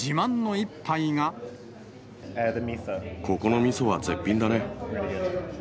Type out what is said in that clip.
ここのみそは絶品だね。